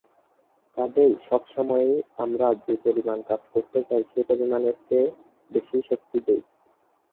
কাজেই সব সময়েই আমরা যে পরিমাণ কাজ করতে চাই সে পরিমাণের চেয়ে বেশি শক্তি দেই।